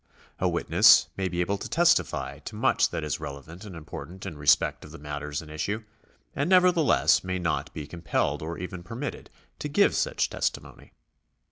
A witness may be able to testify to much that is relevant and important in respect of the matters in issue, and nevertheless may not be compelled or even permitted to give such testimony.